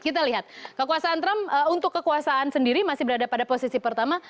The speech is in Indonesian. kita lihat kekuasaan trump untuk kekuasaan sendiri masih berada pada posisi pertama